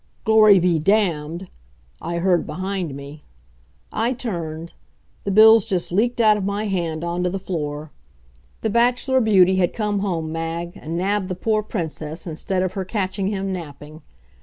"Glory be damned!" I heard behind me. I turned. The bills just leaked out of my hand on to the floor. The Bachelor Beauty had come home, Mag, and nabbed the poor Princess, instead of her catching him napping.